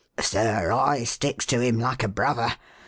"Sir, I sticks to him like a brother.